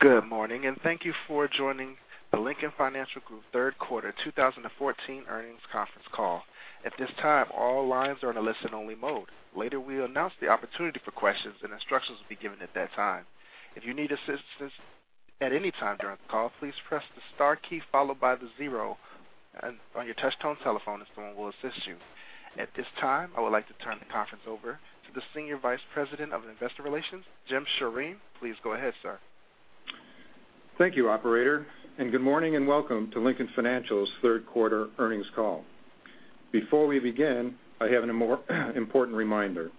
Good morning, thank you for joining the Lincoln Financial Group third quarter 2014 earnings conference call. At this time, all lines are in a listen-only mode. Later, we'll announce the opportunity for questions, and instructions will be given at that time. If you need assistance at any time during the call, please press the star key followed by the zero on your touch-tone telephone and someone will assist you. At this time, I would like to turn the conference over to the Senior Vice President of Investor Relations, Jim Scharine. Please go ahead, sir. Thank you, operator, good morning, and welcome to Lincoln Financial's third quarter earnings call. Before we begin, I have an important reminder.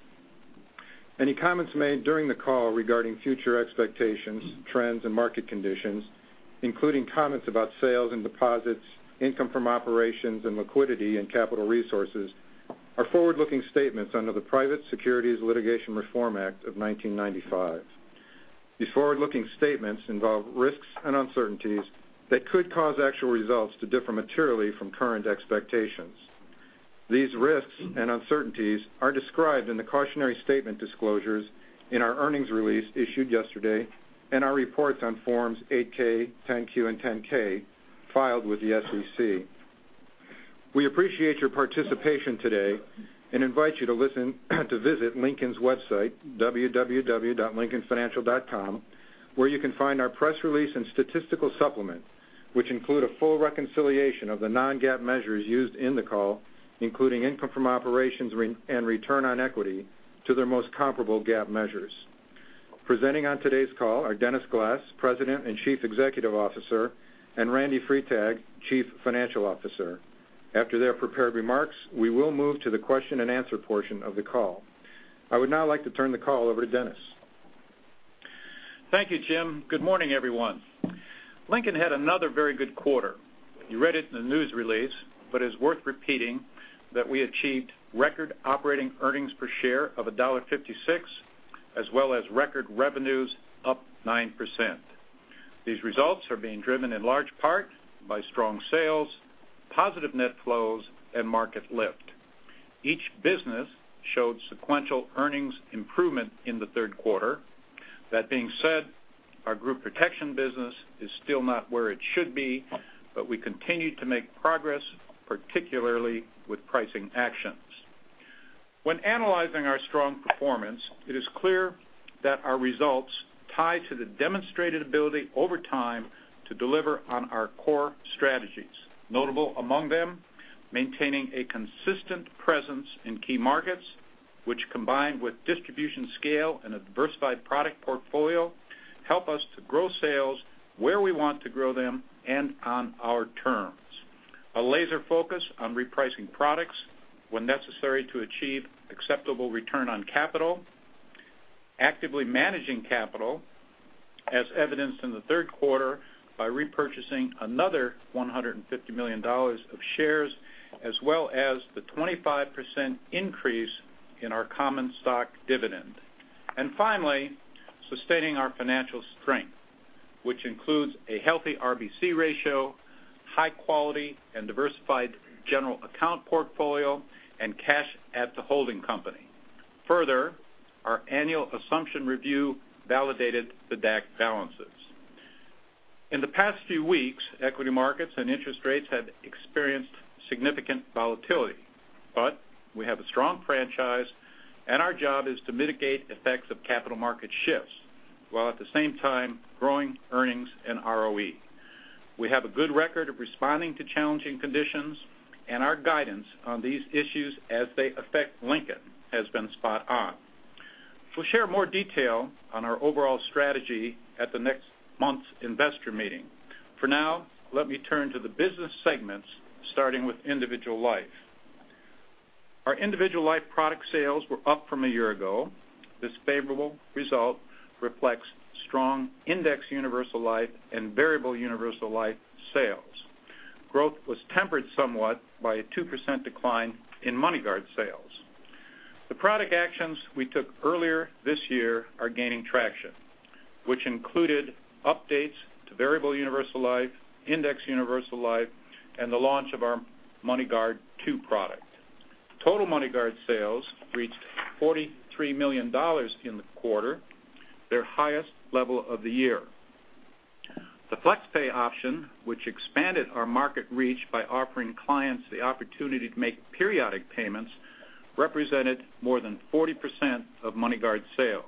Any comments made during the call regarding future expectations, trends, and market conditions, including comments about sales and deposits, income from operations, and liquidity and capital resources, are forward-looking statements under the Private Securities Litigation Reform Act of 1995. These forward-looking statements involve risks and uncertainties that could cause actual results to differ materially from current expectations. These risks and uncertainties are described in the cautionary statement disclosures in our earnings release issued yesterday and our reports on Forms 8-K, 10-Q, and 10-K filed with the SEC. We appreciate your participation today and invite you to visit Lincoln's website, www.lincolnfinancial.com, where you can find our press release and statistical supplement, which include a full reconciliation of the non-GAAP measures used in the call, including income from operations and return on equity to their most comparable GAAP measures. Presenting on today's call are Dennis Glass, President and Chief Executive Officer, and Randal Freitag, Chief Financial Officer. After their prepared remarks, we will move to the question and answer portion of the call. I would now like to turn the call over to Dennis. Thank you, Jim. Good morning, everyone. Lincoln had another very good quarter. You read it in the news release, but it's worth repeating that we achieved record operating earnings per share of $1.56, as well as record revenues up 9%. These results are being driven in large part by strong sales, positive net flows, and market lift. Each business showed sequential earnings improvement in the third quarter. That being said, our group protection business is still not where it should be, we continue to make progress, particularly with pricing actions. When analyzing our strong performance, it is clear that our results tie to the demonstrated ability over time to deliver on our core strategies. Notable among them, maintaining a consistent presence in key markets, which combined with distribution scale and a diversified product portfolio, help us to grow sales where we want to grow them and on our terms. A laser focus on repricing products when necessary to achieve acceptable return on capital, actively managing capital, as evidenced in the third quarter by repurchasing another $150 million of shares, as well as the 25% increase in our common stock dividend. Finally, sustaining our financial strength, which includes a healthy RBC ratio, high quality and diversified general account portfolio, and cash at the holding company. Further, our annual assumption review validated the DAC balances. In the past few weeks, equity markets and interest rates have experienced significant volatility, we have a strong franchise, and our job is to mitigate effects of capital market shifts, while at the same time growing earnings and ROE. We have a good record of responding to challenging conditions, and our guidance on these issues as they affect Lincoln has been spot on. We'll share more detail on our overall strategy at the next month's investor meeting. For now, let me turn to the business segments, starting with individual life. Our individual life product sales were up from a year ago. This favorable result reflects strong indexed universal life and variable universal life sales. Growth was tempered somewhat by a 2% decline in MoneyGuard sales. The product actions we took earlier this year are gaining traction, which included updates to variable universal life, indexed universal life, and the launch of our MoneyGuard II product. Total MoneyGuard sales reached $43 million in the quarter, their highest level of the year. The FlexPay option, which expanded our market reach by offering clients the opportunity to make periodic payments, represented more than 40% of MoneyGuard sales.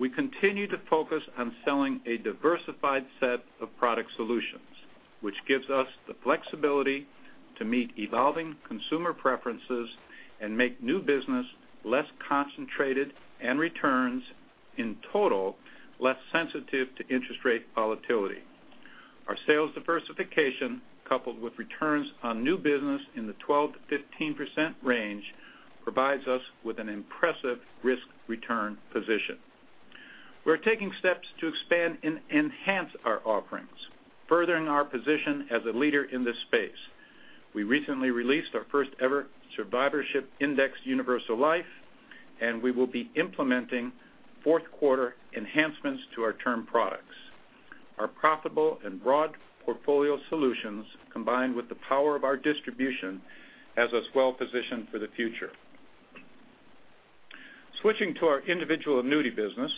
We continue to focus on selling a diversified set of product solutions, which gives us the flexibility to meet evolving consumer preferences and make new business less concentrated and returns in total less sensitive to interest rate volatility. Our sales diversification, coupled with returns on new business in the 12%-15% range, provides us with an impressive risk-return position. We're taking steps to expand and enhance our offerings, furthering our position as a leader in this space. We recently released our first-ever survivorship indexed universal life, and we will be implementing fourth-quarter enhancements to our term products. Our profitable and broad portfolio solutions, combined with the power of our distribution, has us well-positioned for the future. Switching to our individual annuity business,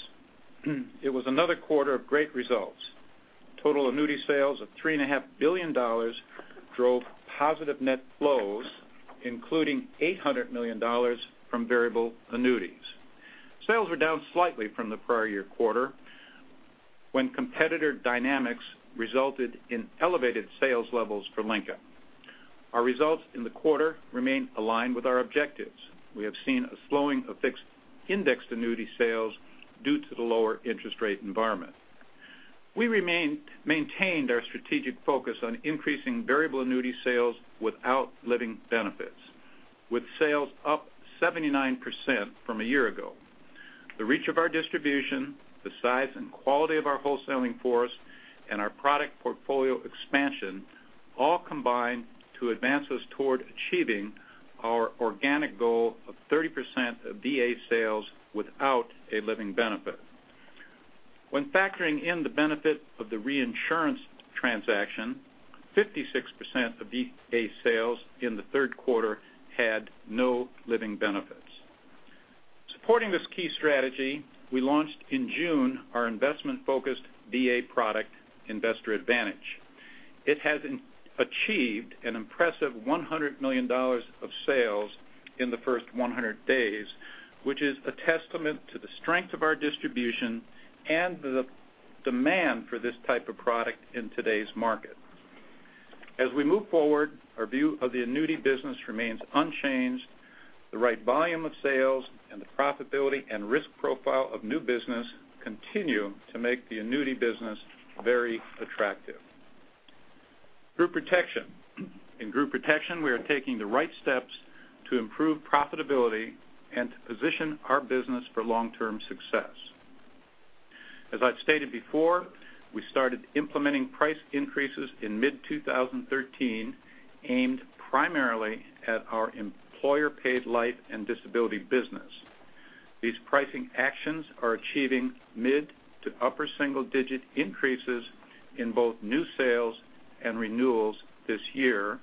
it was another quarter of great results. Total annuity sales of $3.5 billion drove positive net flows, including $800 million from variable annuities. Sales were down slightly from the prior year quarter when competitor dynamics resulted in elevated sales levels for Lincoln. Our results in the quarter remain aligned with our objectives. We have seen a slowing of fixed indexed annuity sales due to the lower interest rate environment. We maintained our strategic focus on increasing variable annuity sales without living benefits, with sales up 79% from a year ago. The reach of our distribution, the size and quality of our wholesaling force, and our product portfolio expansion all combine to advance us toward achieving our organic goal of 30% of VA sales without a living benefit. When factoring in the benefit of the reinsurance transaction, 56% of VA sales in the third quarter had no living benefits. Supporting this key strategy, we launched in June our investment focused VA product, Investor Advantage. It has achieved an impressive $100 million of sales in the first 100 days, which is a testament to the strength of our distribution and the demand for this type of product in today's market. As we move forward, our view of the annuity business remains unchanged. The right volume of sales and the profitability and risk profile of new business continue to make the annuity business very attractive. Group Protection. In Group Protection, we are taking the right steps to improve profitability and to position our business for long-term success. As I've stated before, we started implementing price increases in mid-2013, aimed primarily at our employer paid life and disability business. These pricing actions are achieving mid to upper single digit increases in both new sales and renewals this year.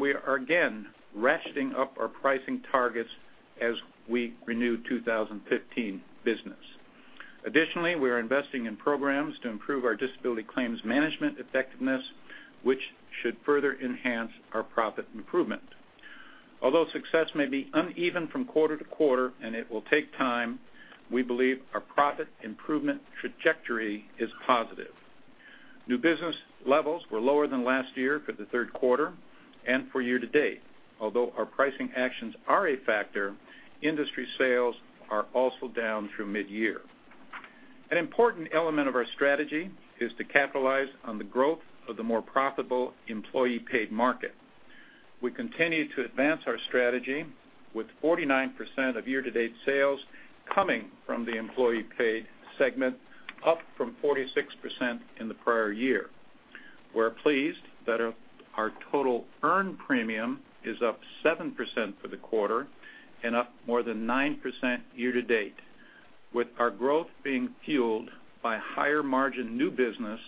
We are again ratcheting up our pricing targets as we renew 2015 business. Additionally, we are investing in programs to improve our disability claims management effectiveness, which should further enhance our profit improvement. Although success may be uneven from quarter-to-quarter and it will take time, we believe our profit improvement trajectory is positive. New business levels were lower than last year for the third quarter and for year-to-date. Although our pricing actions are a factor, industry sales are also down through mid-year. An important element of our strategy is to capitalize on the growth of the more profitable employee paid market. We continue to advance our strategy with 49% of year-to-date sales coming from the employee paid segment, up from 46% in the prior year. We're pleased that our total earned premium is up 7% for the quarter and up more than 9% year-to-date, with our growth being fueled by higher margin new business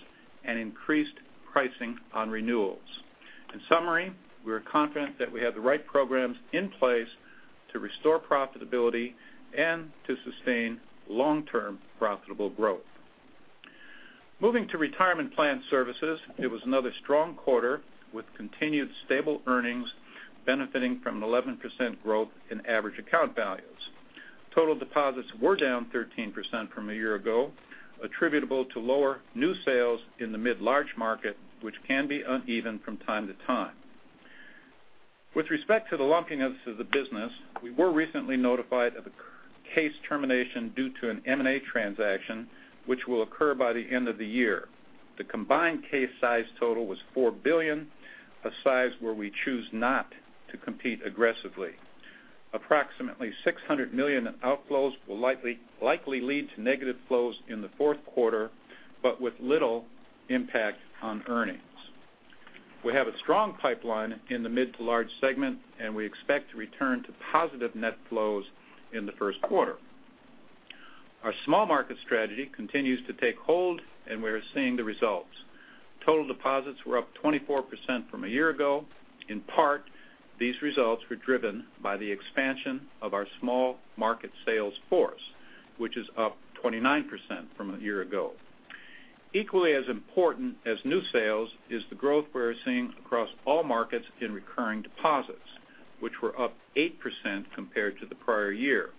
and increased pricing on renewals. In summary, we are confident that we have the right programs in place to restore profitability and to sustain long-term profitable growth. Moving to Retirement Plan Services, it was another strong quarter with continued stable earnings benefiting from an 11% growth in average account values. Total deposits were down 13% from a year ago, attributable to lower new sales in the mid-large market, which can be uneven from time to time. With respect to the lumpiness of the business, we were recently notified of a case termination due to an M&A transaction, which will occur by the end of the year. The combined case size total was $4 billion, a size where we choose not to compete aggressively. Approximately $600 million in outflows will likely lead to negative flows in the fourth quarter, but with little impact on earnings. We have a strong pipeline in the mid-to-large segment. We expect to return to positive net flows in the first quarter. Our small market strategy continues to take hold. We are seeing the results. Total deposits were up 24% from a year ago. In part, these results were driven by the expansion of our small market sales force, which is up 29% from a year ago. Equally as important as new sales is the growth we're seeing across all markets in recurring deposits, which were up 8% compared to the prior year.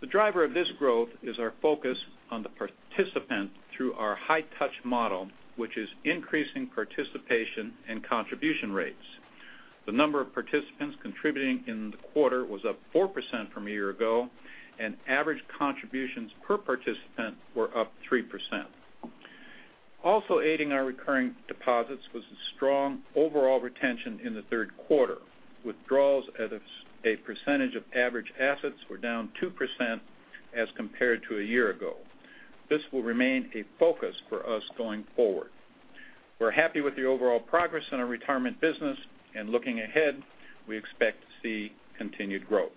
The driver of this growth is our focus on the participant through our high touch model, which is increasing participation and contribution rates. The number of participants contributing in the quarter was up 4% from a year ago, and average contributions per participant were up 3%. Also aiding our recurring deposits was a strong overall retention in the third quarter. Withdrawals at a percentage of average assets were down 2% as compared to a year ago. This will remain a focus for us going forward. We're happy with the overall progress in our retirement business and looking ahead, we expect to see continued growth.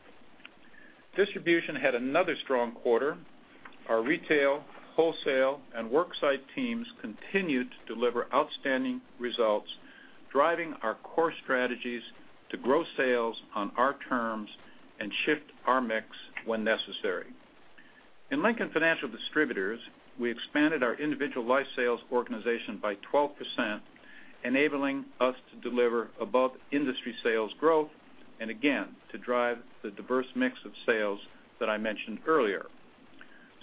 Distribution had another strong quarter. Our retail, wholesale, and worksite teams continued to deliver outstanding results, driving our core strategies to grow sales on our terms and shift our mix when necessary. In Lincoln Financial Distributors, we expanded our individual life sales organization by 12%, enabling us to deliver above-industry sales growth, and again, to drive the diverse mix of sales that I mentioned earlier.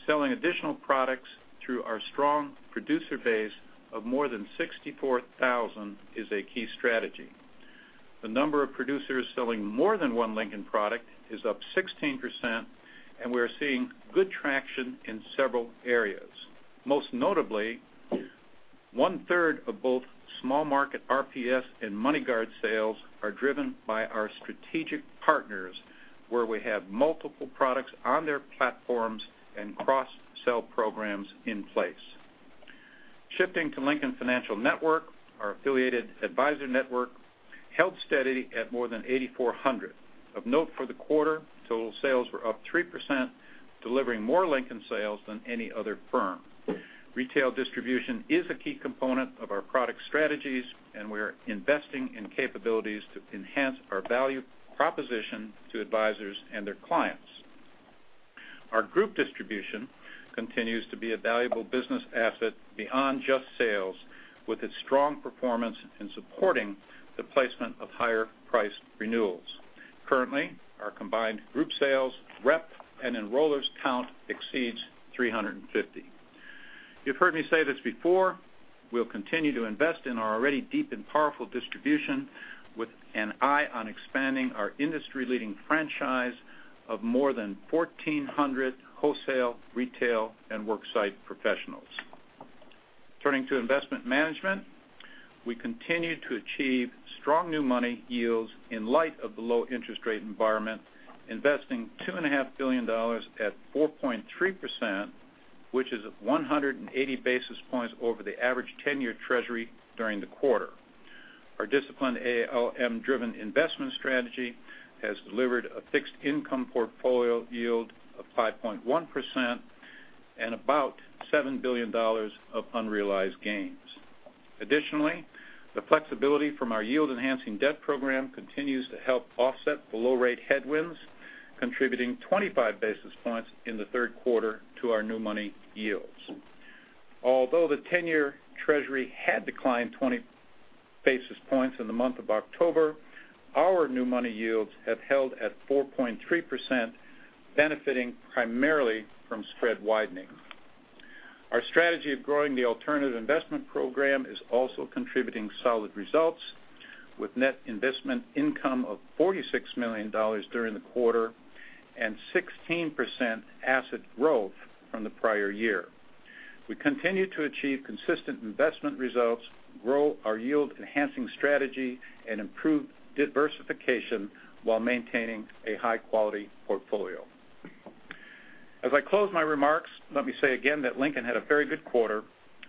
Selling additional products through our strong producer base of more than 64,000 is a key strategy. The number of producers selling more than one Lincoln product is up 16%, and we are seeing good traction in several areas. Most notably, one-third of both small-market RPS and MoneyGuard sales are driven by our strategic partners, where we have multiple products on their platforms and cross-sell programs in place. Shifting to Lincoln Financial Network, our affiliated advisor network held steady at more than 8,400. Of note for the quarter, total sales were up 3%, delivering more Lincoln sales than any other firm. Retail distribution is a key component of our product strategies, and we are investing in capabilities to enhance our value proposition to advisors and their clients. Our group distribution continues to be a valuable business asset beyond just sales, with its strong performance in supporting the placement of higher-priced renewals. Currently, our combined group sales rep and enrollers count exceeds 350. You've heard me say this before, we'll continue to invest in our already deep and powerful distribution, with an eye on expanding our industry-leading franchise of more than 1,400 wholesale, retail, and worksite professionals. Turning to investment management, we continue to achieve strong new money yields in light of the low interest rate environment, investing $2.5 billion at 4.3%, which is 180 basis points over the average 10-year Treasury during the quarter. Our disciplined ALM-driven investment strategy has delivered a fixed income portfolio yield of 5.1% and about $7 billion of unrealized gains. Additionally, the flexibility from our yield-enhancing debt program continues to help offset the low-rate headwinds, contributing 25 basis points in the third quarter to our new money yields. Although the 10-year Treasury had declined 20 basis points in the month of October, our new money yields have held at 4.3%, benefiting primarily from spread widening. Our strategy of growing the alternative investment program is also contributing solid results, with net investment income of $46 million during the quarter and 16% asset growth from the prior year. We continue to achieve consistent investment results, grow our yield-enhancing strategy, and improve diversification while maintaining a high-quality portfolio. As I close my remarks, let me say again that Lincoln had a very good quarter.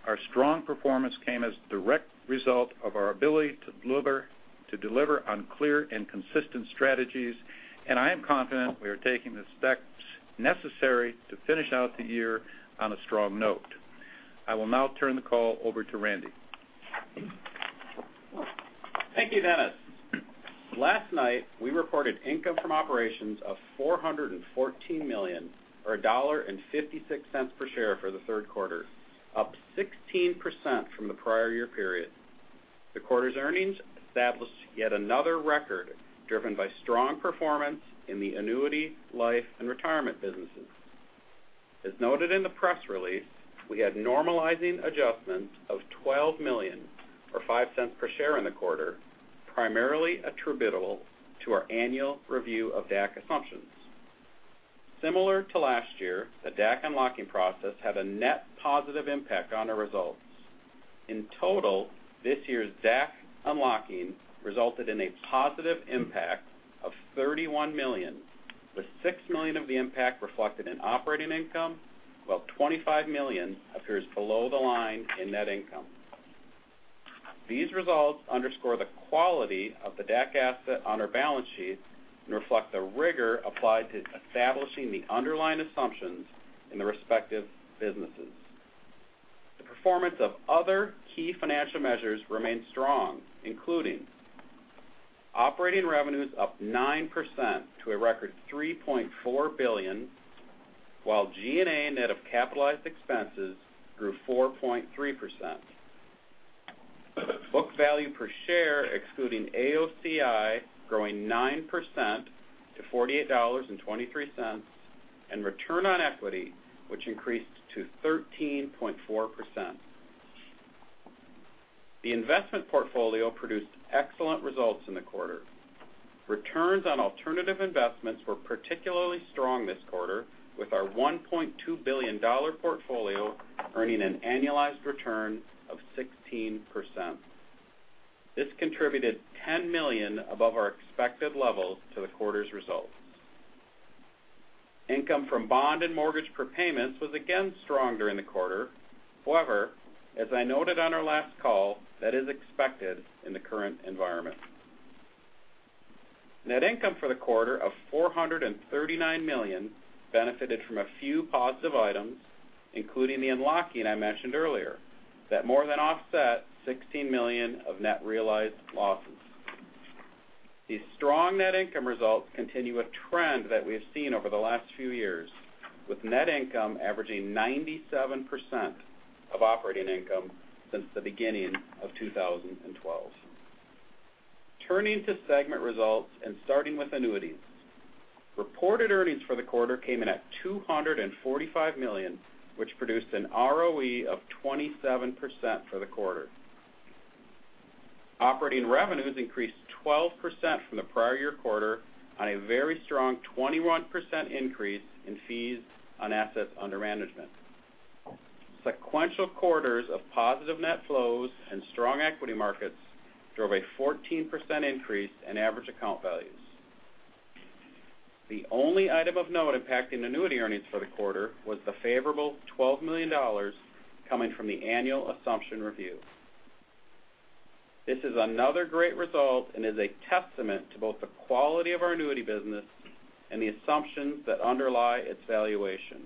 Our strong performance came as a direct result of our ability to deliver on clear and consistent strategies, and I am confident we are taking the steps necessary to finish out the year on a strong note. I will now turn the call over to Randy. Thank you, Dennis. Last night, we reported income from operations of $414 million, or $1.56 per share for the third quarter, up 16% from the prior year period. The quarter's earnings established yet another record driven by strong performance in the annuity, life, and retirement businesses. As noted in the press release, we had normalizing adjustments of $12 million, or $0.05 per share in the quarter, primarily attributable to our annual review of DAC assumptions. Similar to last year, the DAC unlocking process had a net positive impact on our results. In total, this year's DAC unlocking resulted in a positive impact of $31 million, with $6 million of the impact reflected in operating income, while $25 million appears below the line in net income. These results underscore the quality of the DAC asset on our balance sheet and reflect the rigor applied to establishing the underlying assumptions in the respective businesses. The performance of other key financial measures remained strong, including operating revenues up 9% to a record $3.4 billion, while G&A net of capitalized expenses grew 4.3%. Book value per share, excluding AOCI, growing 9% to $48.23, and return on equity, which increased to 13.4%. The investment portfolio produced excellent results in the quarter. Returns on alternative investments were particularly strong this quarter, with our $1.2 billion portfolio earning an annualized return of 16%. This contributed $10 million above our expected levels to the quarter's results. Income from bond and mortgage prepayments was again strong during the quarter. As I noted on our last call, that is expected in the current environment. Net income for the quarter of $439 million benefited from a few positive items, including the unlocking I mentioned earlier, that more than offset $16 million of net realized losses. These strong net income results continue a trend that we have seen over the last few years, with net income averaging 97% of operating income since the beginning of 2012. Turning to segment results and starting with annuities. Reported earnings for the quarter came in at $245 million, which produced an ROE of 27% for the quarter. Operating revenues increased 12% from the prior year quarter on a very strong 21% increase in fees on assets under management. Sequential quarters of positive net flows and strong equity markets drove a 14% increase in average account values. The only item of note impacting annuity earnings for the quarter was the favorable $12 million coming from the annual assumption review. This is another great result and is a testament to both the quality of our annuity business and the assumptions that underlie its valuation.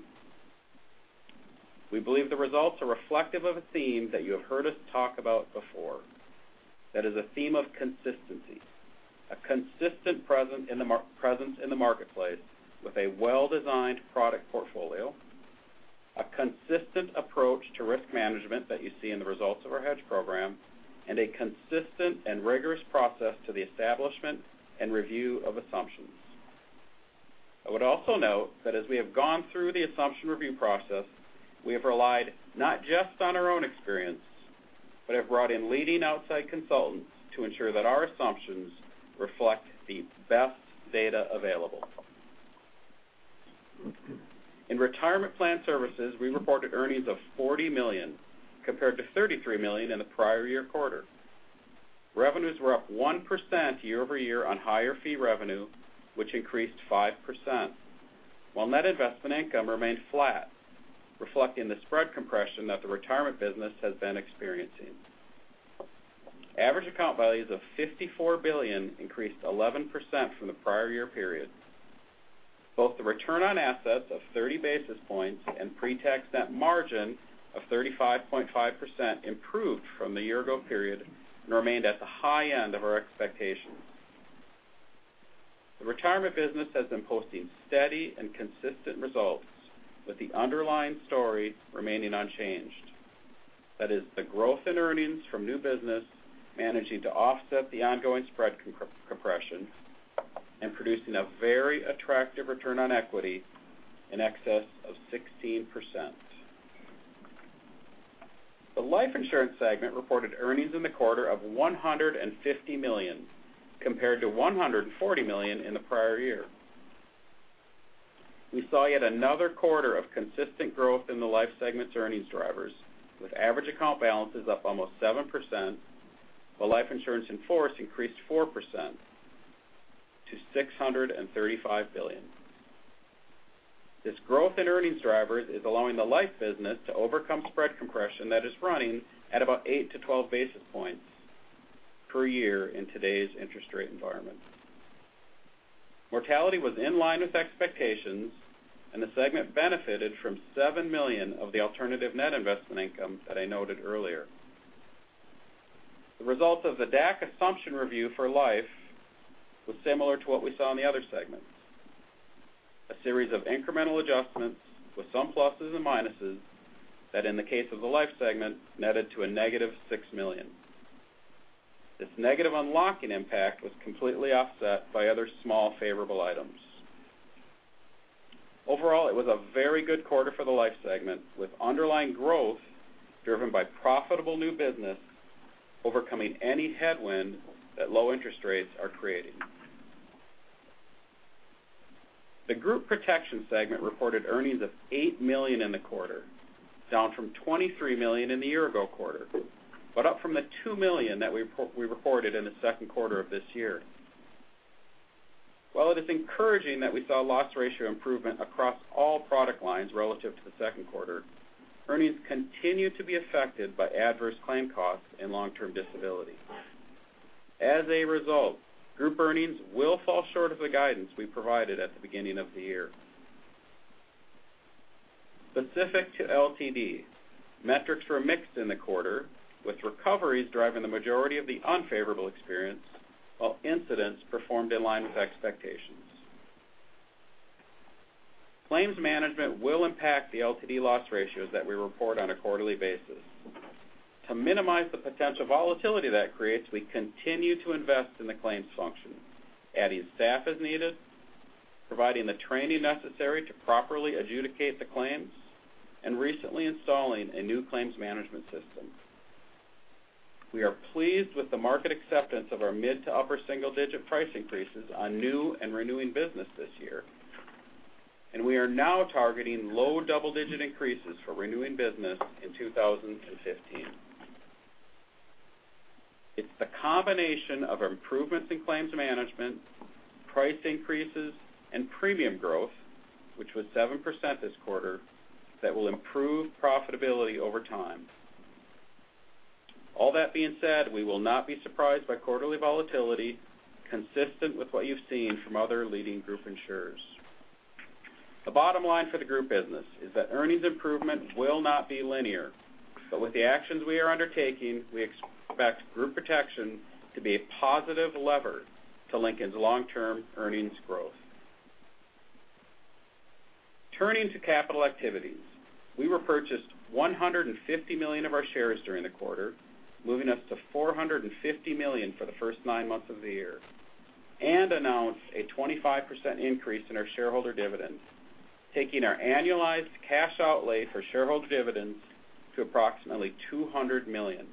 We believe the results are reflective of a theme that you have heard us talk about before. That is a theme of consistency, a consistent presence in the marketplace with a well-designed product portfolio, a consistent approach to risk management that you see in the results of our hedge program, and a consistent and rigorous process to the establishment and review of assumptions. I would also note that as we have gone through the assumption review process, we have relied not just on our own experience, but have brought in leading outside consultants to ensure that our assumptions reflect the best data available. In retirement plan services, we reported earnings of $40 million, compared to $33 million in the prior year quarter. Revenues were up 1% year over year on higher fee revenue, which increased 5%, while net investment income remained flat, reflecting the spread compression that the retirement business has been experiencing. Average account values of $54 billion increased 11% from the prior year period. Both the return on assets of 30 basis points and pre-tax net margin of 35.5% improved from the year-ago period and remained at the high end of our expectations. The retirement business has been posting steady and consistent results, with the underlying story remaining unchanged. That is the growth in earnings from new business managing to offset the ongoing spread compression and producing a very attractive return on equity in excess of 16%. The life insurance segment reported earnings in the quarter of $150 million, compared to $140 million in the prior year. We saw yet another quarter of consistent growth in the life segment's earnings drivers, with average account balances up almost 7%, while life insurance in force increased 4% to $635 billion. This growth in earnings drivers is allowing the life business to overcome spread compression that is running at about 8 to 12 basis points per year in today's interest rate environment. Mortality was in line with expectations, and the segment benefited from $7 million of the alternative net investment income that I noted earlier. The result of the DAC assumption review for life was similar to what we saw in the other segments. A series of incremental adjustments with some pluses and minuses that, in the case of the life segment, netted to a negative $6 million. This negative unlocking impact was completely offset by other small favorable items. Overall, it was a very good quarter for the life segment, with underlying growth driven by profitable new business overcoming any headwind that low interest rates are creating. The group protection segment reported earnings of $8 million in the quarter, down from $23 million in the year-ago quarter, but up from the $2 million that we reported in the second quarter of this year. While it is encouraging that we saw loss ratio improvement across all product lines relative to the second quarter, earnings continue to be affected by adverse claim costs and long-term disability. As a result, group earnings will fall short of the guidance we provided at the beginning of the year. Specific to LTD, metrics were mixed in the quarter, with recoveries driving the majority of the unfavorable experience, while incidents performed in line with expectations. Claims management will impact the LTD loss ratios that we report on a quarterly basis. To minimize the potential volatility that creates, we continue to invest in the claims function, adding staff as needed, providing the training necessary to properly adjudicate the claims, and recently installing a new claims management system. We are pleased with the market acceptance of our mid to upper single-digit price increases on new and renewing business this year, and we are now targeting low double-digit increases for renewing business in 2015. It's the combination of improvements in claims management, price increases, and premium growth, which was 7% this quarter, that will improve profitability over time. All that being said, we will not be surprised by quarterly volatility, consistent with what you've seen from other leading group insurers. The bottom line for the group business is that earnings improvement will not be linear. With the actions we are undertaking, we expect group protection to be a positive lever to Lincoln's long-term earnings growth. Turning to capital activities, we repurchased $150 million of our shares during the quarter, moving us to $450 million for the first nine months of the year, and announced a 25% increase in our shareholder dividends, taking our annualized cash outlay for shareholder dividends to approximately $200 million.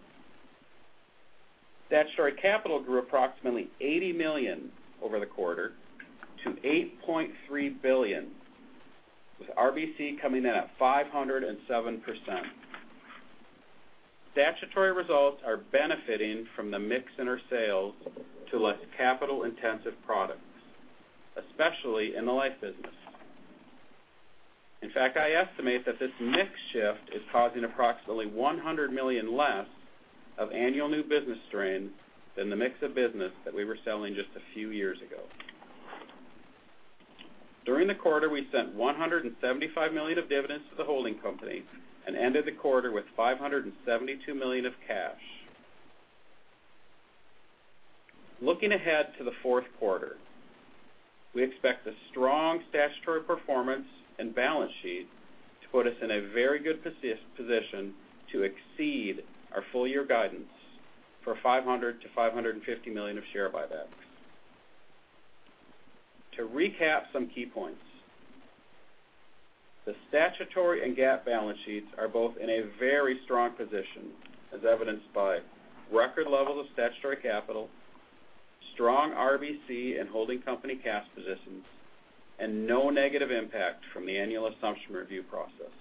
Statutory capital grew approximately $80 million over the quarter to $8.3 billion, with RBC coming in at 507%. Statutory results are benefiting from the mix in our sales to less capital-intensive products, especially in the life business. In fact, I estimate that this mix shift is causing approximately $100 million less of annual new business strain than the mix of business that we were selling just a few years ago. During the quarter, we sent $175 million of dividends to the holding company and ended the quarter with $572 million of cash. Looking ahead to the fourth quarter, we expect a strong statutory performance and balance sheet to put us in a very good position to exceed our full-year guidance for $500 million-$550 million of share buybacks. To recap some key points, the statutory and GAAP balance sheets are both in a very strong position, as evidenced by record levels of statutory capital, strong RBC and holding company cash positions, and no negative impact from the annual assumption review process.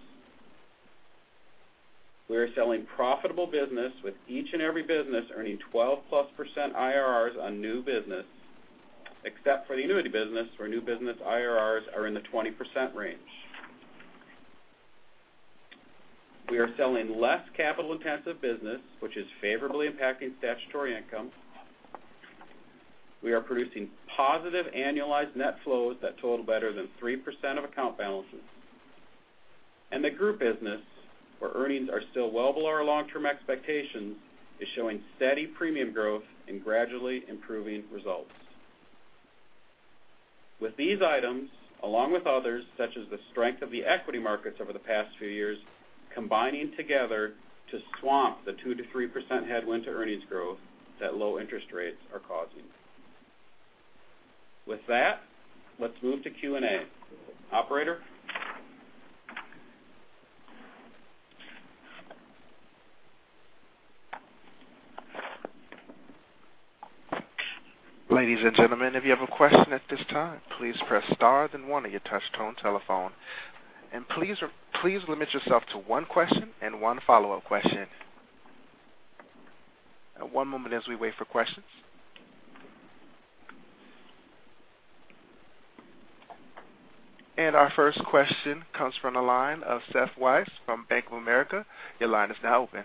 We are selling profitable business with each and every business earning 12-plus% IRRs on new business, except for the annuity business, where new business IRRs are in the 20% range. We are selling less capital-intensive business, which is favorably impacting statutory income. The group business, where earnings are still well below our long-term expectations, is showing steady premium growth and gradually improving results. With these items, along with others, such as the strength of the equity markets over the past few years, combining together to swamp the 2%-3% headwind to earnings growth that low interest rates are causing. With that, let's move to Q&A. Operator? Ladies and gentlemen, if you have a question at this time, please press star then one on your touchtone telephone, and please limit yourself to one question and one follow-up question. One moment as we wait for questions. Our first question comes from the line of Seth Weiss from Bank of America. Your line is now open.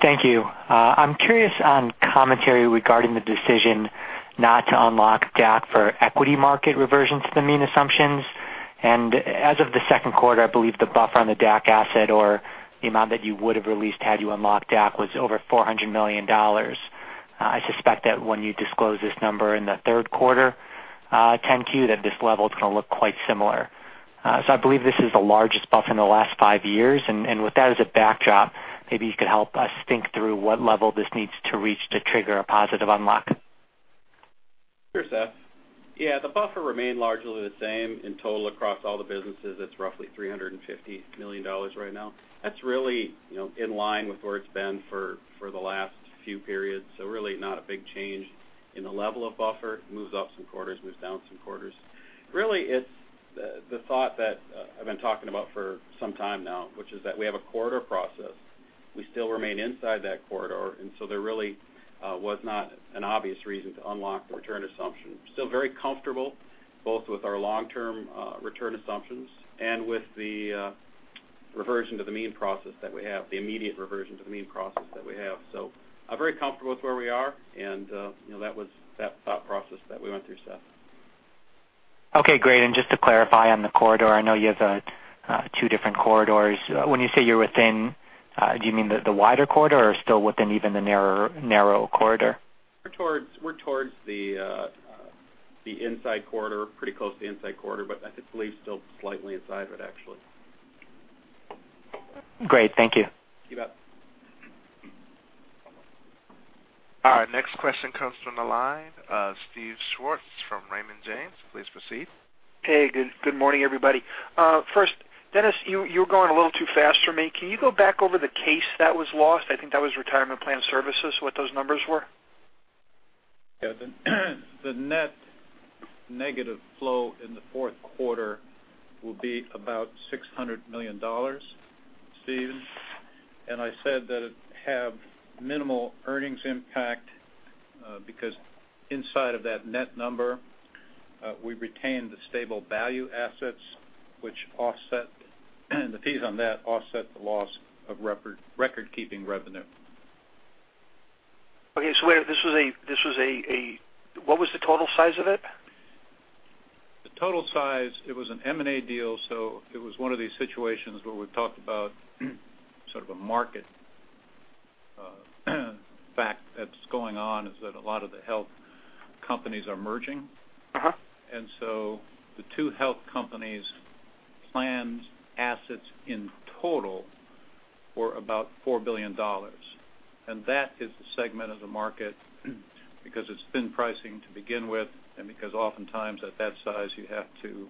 Thank you. I'm curious on commentary regarding the decision not to unlock DAC for equity market reversion to the mean assumptions. As of the second quarter, I believe the buffer on the DAC asset or the amount that you would have released had you unlocked DAC was over $400 million. I suspect that when you disclose this number in the third quarter 10-Q, that this level is going to look quite similar. I believe this is the largest buffer in the last five years. With that as a backdrop, maybe you could help us think through what level this needs to reach to trigger a positive unlock. Sure, Seth. The buffer remained largely the same. In total, across all the businesses, it's roughly $350 million right now. That's really in line with where it's been for the last few periods. Really not a big change in the level of buffer. It moves up some quarters, moves down some quarters. Really, it's the thought that I've been talking about for some time now, which is that we have a corridor process. We still remain inside that corridor, there really was not an obvious reason to unlock the return assumption. Still very comfortable both with our long-term return assumptions and with the reversion to the mean process that we have, the immediate reversion to the mean process that we have. I'm very comfortable with where we are, and that was that thought process that we went through, Seth. Okay, great. Just to clarify on the corridor, I know you have two different corridors. When you say you're within, do you mean the wider corridor or still within even the narrow corridor? We're towards the inside corridor, pretty close to the inside corridor, but I believe still slightly inside of it, actually. Great. Thank you. You bet. Our next question comes from the line of Steven Schwartz from Raymond James. Please proceed. Hey, good morning, everybody. First, Dennis, you were going a little too fast for me. Can you go back over the case that was lost? I think that was Retirement Plan Services, what those numbers were. Yeah. The net negative flow in the fourth quarter will be about $600 million, Steve. I said that it'd have minimal earnings impact because inside of that net number, we retained the stable value assets, which the fees on that offset the loss of record-keeping revenue. Okay. What was the total size of it? The total size, it was an M&A deal, so it was one of these situations where we talked about sort of a market fact that's going on, is that a lot of the health companies are merging. The two health companies planned assets in total were about $4 billion. That is the segment of the market, because it's thin pricing to begin with, and because oftentimes at that size, you have to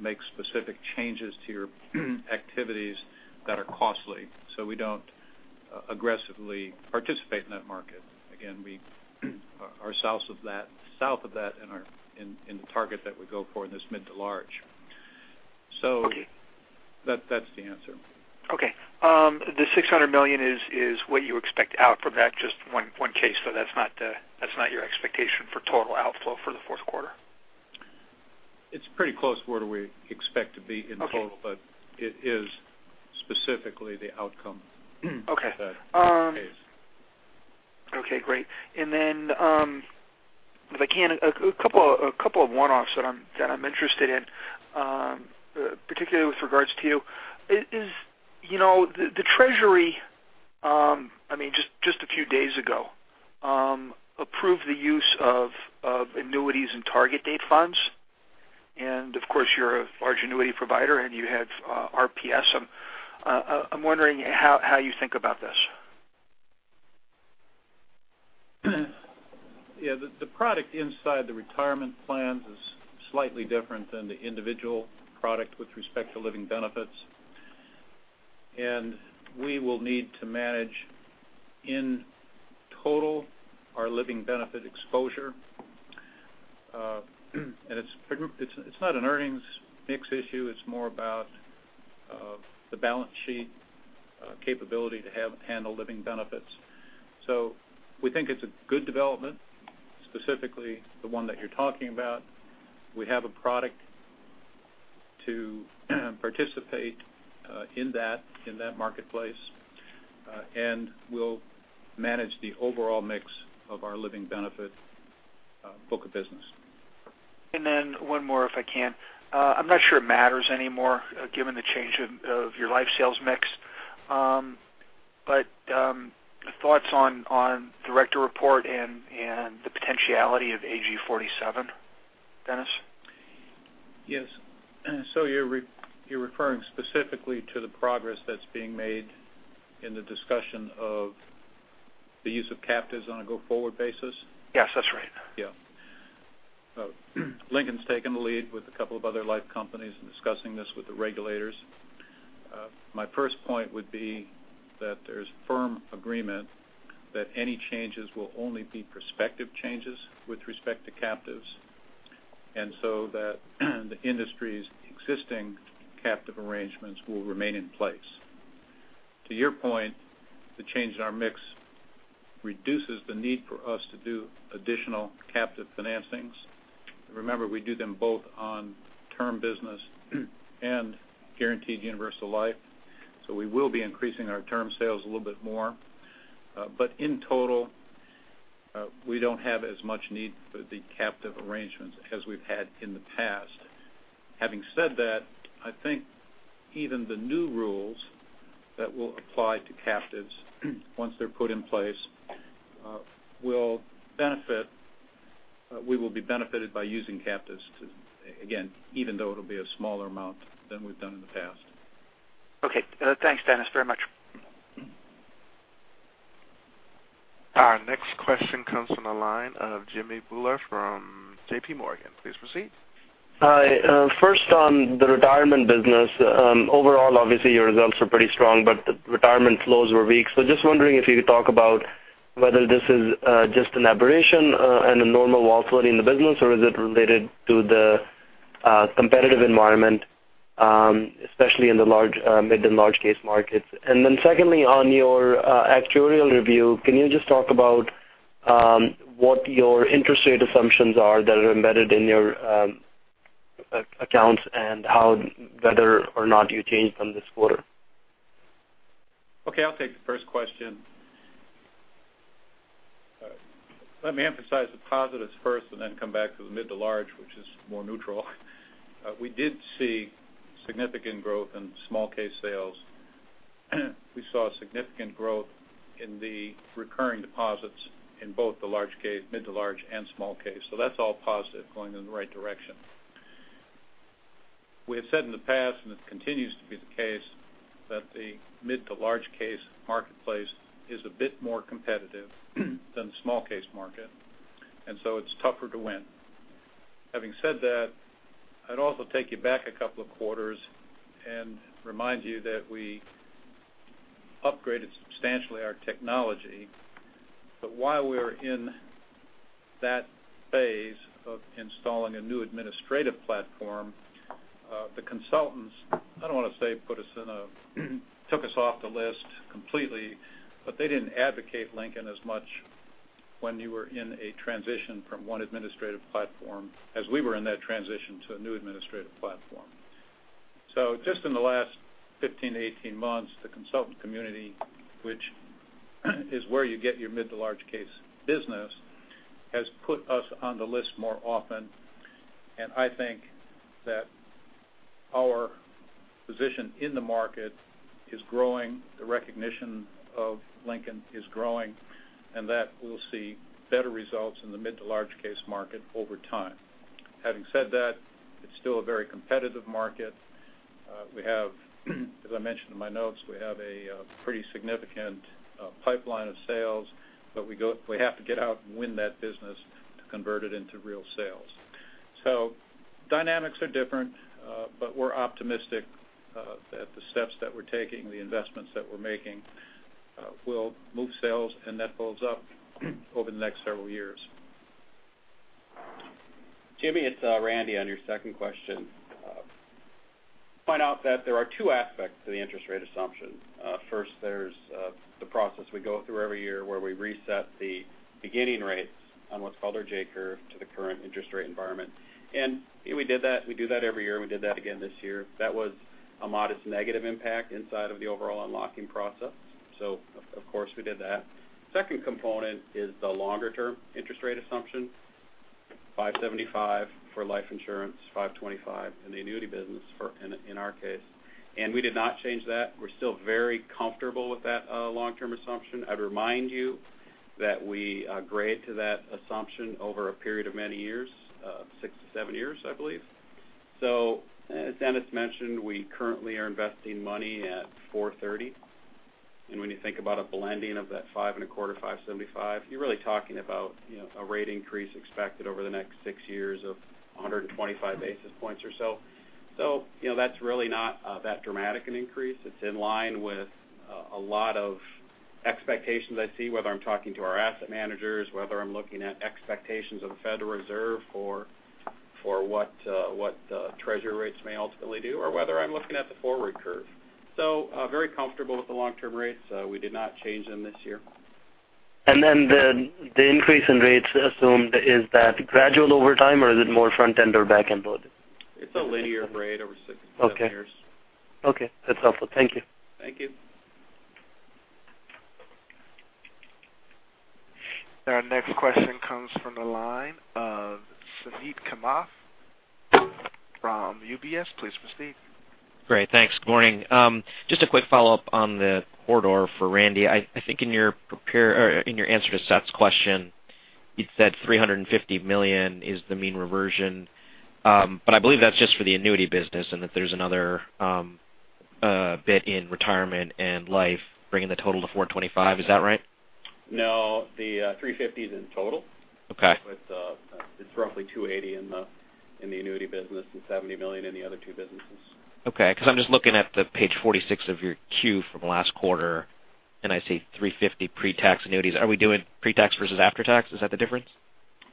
make specific changes to your activities that are costly. We don't aggressively participate in that market. Again, we are south of that in the target that we go for in this mid to large. Okay. That's the answer. The $600 million is what you expect out from that, just one case. That's not your expectation for total outflow for the fourth quarter. It's pretty close to where we expect to be in total. Okay. It is specifically the outcome. Okay. That case. Okay, great. Then, if I can, a couple of one-offs that I'm interested in, particularly with regards to you. The Treasury, just a few days ago approved the use of annuities and target date funds. Of course, you're a large annuity provider, and you have RPS. I'm wondering how you think about this. Yeah. The product inside the retirement plans is slightly different than the individual product with respect to living benefits. We will need to manage, in total, our living benefit exposure. It's not an earnings mix issue, it's more about the balance sheet capability to handle living benefits. We think it's a good development, specifically the one that you're talking about. We have a product to participate in that marketplace. We'll manage the overall mix of our living benefit book of business. One more, if I can. I'm not sure it matters anymore, given the change of your life sales mix. Thoughts on director's report and the potentiality of AG 47, Dennis? Yes. You're referring specifically to the progress that's being made in the discussion of the use of captives on a go-forward basis? Yes, that's right. Yes. Lincoln's taken the lead with a couple of other life companies in discussing this with the regulators. My first point would be that there's firm agreement that any changes will only be prospective changes with respect to captives, the industry's existing captive arrangements will remain in place. To your point, the change in our mix reduces the need for us to do additional captive financings. Remember, we do them both on term business and guaranteed universal life. We will be increasing our term sales a little bit more. In total, we don't have as much need for the captive arrangements as we've had in the past. Having said that, I think even the new rules that will apply to captives, once they're put in place, we will be benefited by using captives, again, even though it'll be a smaller amount than we've done in the past. Okay. Thanks, Dennis, very much. Our next question comes from the line of Jimmy Bhullar from JP Morgan. Please proceed. Hi. First on the retirement business. Overall, obviously, your results are pretty strong, but the retirement flows were weak. Just wondering if you could talk about whether this is just an aberration and a normal volatility in the business, or is it related to the competitive environment, especially in the mid and large case markets. Secondly, on your actuarial review, can you just talk about what your interest rate assumptions are that are embedded in your accounts and whether or not you changed them this quarter? Okay. I'll take the first question. Let me emphasize the positives first and then come back to the mid to large, which is more neutral. We did see significant growth in small case sales. We saw significant growth in the recurring deposits in both the mid to large and small case. That's all positive going in the right direction. We have said in the past, and it continues to be the case, that the mid to large case marketplace is a bit more competitive than the small case market, it's tougher to win. Having said that, I'd also take you back a couple of quarters and remind you that we upgraded substantially our technology. While we were in that phase of installing a new administrative platform, the consultants, I don't want to say took us off the list completely, but they didn't advocate Lincoln as much when you were in a transition from one administrative platform, as we were in that transition to a new administrative platform. Just in the last 15-18 months, the consultant community, which is where you get your mid to large case business, has put us on the list more often, and I think that our position in the market is growing. The recognition of Lincoln is growing, and that we'll see better results in the mid to large case market over time. Having said that, it's still a very competitive market. As I mentioned in my notes, we have a pretty significant pipeline of sales, but we have to get out and win that business to convert it into real sales. Dynamics are different, but we're optimistic that the steps that we're taking, the investments that we're making, will move sales and that builds up over the next several years. Jimmy, it's Randy. On your second question, I'd point out that there are two aspects to the interest rate assumption. First, there's the process we go through every year where we reset the beginning rates on what's called our J-curve to the current interest rate environment. We do that every year, and we did that again this year. That was a modest negative impact inside of the overall unlocking process. Of course, we did that. Second component is the longer-term interest rate assumption, 575 for life insurance, 525 in the annuity business in our case. We did not change that. We're still very comfortable with that long-term assumption. I'd remind you that we grade to that assumption over a period of many years, 6-7 years, I believe. As Dennis mentioned, we currently are investing money at 430, when you think about a blending of that five and a quarter, 575, you're really talking about a rate increase expected over the next six years of 125 basis points or so. That's really not that dramatic an increase. It's in line with a lot of expectations I see, whether I'm talking to our asset managers, whether I'm looking at expectations of the Federal Reserve for what treasury rates may ultimately do, or whether I'm looking at the forward curve. Very comfortable with the long term rates. We did not change them this year. The increase in rates assumed, is that gradual over time, or is it more front end or back end loaded? It's a linear grade over six to seven years. Okay. That's helpful. Thank you. Thank you. Our next question comes from the line of Suneet Kamath from UBS. Please proceed. Great. Thanks. Good morning. Just a quick follow-up on the corridor for Randy. I think in your answer to Seth's question, you said $350 million is the mean reversion. I believe that's just for the annuity business and that there's another bit in retirement and life bringing the total to $425. Is that right? No, the $350 is in total. Okay. It's roughly $280 in the annuity business and $70 million in the other two businesses. Okay, because I'm just looking at page 46 of your Q from last quarter, and I see $350 pre-tax annuities. Are we doing pre-tax versus after-tax? Is that the difference?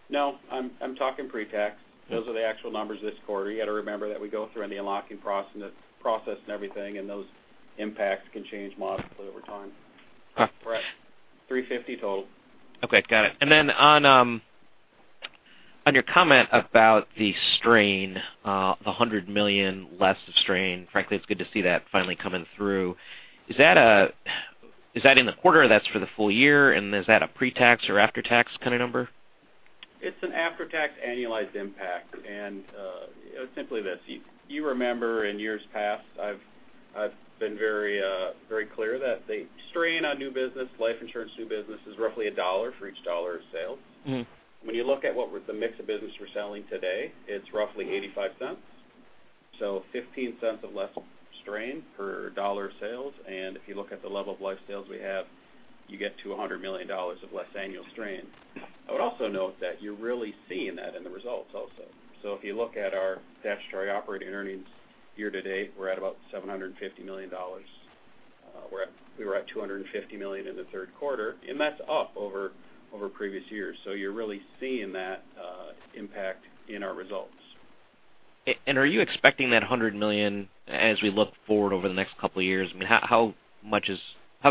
No, I'm talking pre-tax. Those are the actual numbers this quarter. You got to remember that we go through in the unlocking process and everything, and those impacts can change modestly over time. $350 total. Okay. Got it. On your comment about the strain, the $100 million less strain. Frankly, it's good to see that finally coming through. Is that in the quarter or that's for the full year, and is that a pre-tax or after-tax kind of number? It's an after-tax annualized impact, and it's simply this. You remember in years past, I've been very clear that the strain on new business, life insurance new business, is roughly $1 for each $1 of sale. When you look at what the mix of business we're selling today, it's roughly $0.85. $0.15 of less strain per $1 of sales, and if you look at the level of life sales we have, you get to $100 million of less annual strain. I would also note that you're really seeing that in the results also. If you look at our statutory operating earnings year to date, we're at about $750 million. We were at $250 million in the third quarter, and that's up over previous years. You're really seeing that impact in our results. Are you expecting that $100 million as we look forward over the next couple of years? How